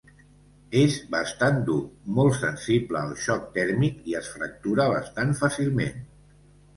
És bastant dur, molt sensible al xoc tèrmic i es fractura bastant fàcilment.